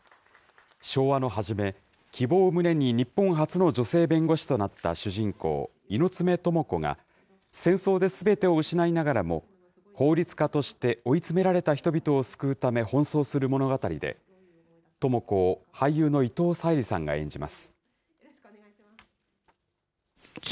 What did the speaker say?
昭和の初め、希望を胸に日本初の女性弁護士となった主人公、猪爪寅子が、戦争ですべてを失いながらも、法律家として追い詰められた人々を救うため、奔走する物語で、寅子を俳優の伊藤沙莉さんが演じます。